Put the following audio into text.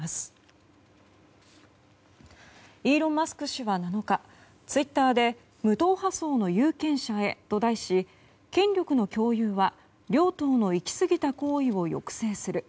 氏は７日ツイッターで「無党派層の有権者へ」と題し権力の共有は両党の行きすぎた行為を抑制する。